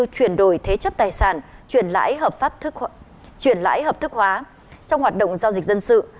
chuyển đổi thế chấp tài sản chuyển lãi hợp thức hóa trong hoạt động giao dịch dân sự